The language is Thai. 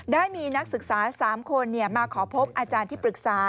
ได้มีนักศึกษา๓คนมาขอพบอาจารย์ที่ปรึกษา